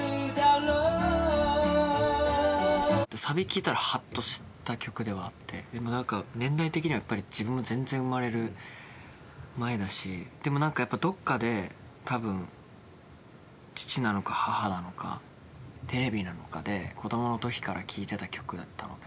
サビ聴いたらハッとした曲ではあってでも何か年代的にはやっぱり自分も全然生まれる前だしでも何かやっぱりどっかで多分父なのか母なのかテレビなのかで子供の時から聴いてた曲だったので。